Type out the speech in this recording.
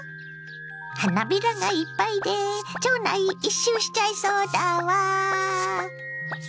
花びらがいっぱいで町内一周しちゃいそうだわ。